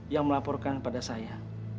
yang melaporkan pada saya